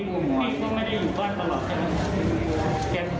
เมื่อก่อนอ่ะพี่ก็ไม่ได้อยู่บ้านตลอดใช่ไหมครับ